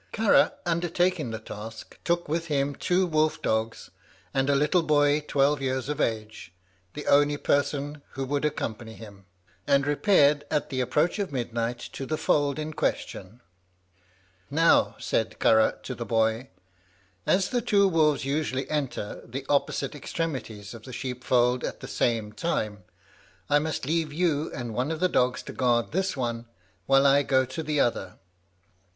Carragh, undertaking the task, took with him two wolf dogs, and a little boy twelve years of age, the only person who would accompany him, and repaired at the approach of midnight to the fold in question. "Now," said Carragh to the boy, "as the two wolves usually enter the opposite extremities of the sheep fold at the same time, I must leave you and one of the dogs to guard this one while I go the other.